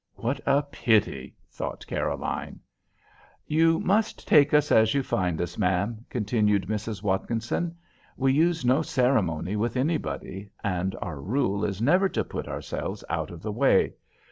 "What a pity," thought Caroline. "You must take us as you find us, ma'am," continued Mrs. Watkinson. "We use no ceremony with anybody; and our rule is never to put ourselves out of the way.